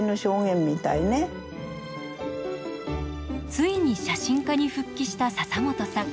ついに写真家に復帰した笹本さん。